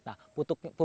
ketiga membutuhkan pupuk